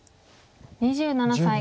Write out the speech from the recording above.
２７歳。